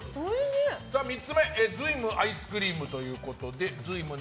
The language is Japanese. ３つ目瑞夢アイスクリームということで。